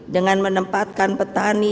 dengan menempatkan petani